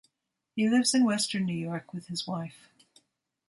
He lives in western New York with his wife.